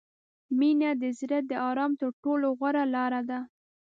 • مینه د زړه د آرام تر ټولو غوره لاره ده.